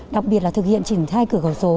đặc biệt là thực hiện triển khai cửa khẩu số